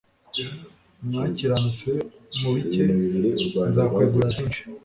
wakiranutse mu bike nzakwegurira byinshi